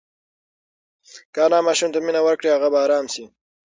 که انا ماشوم ته مینه ورکړي هغه به ارام شي.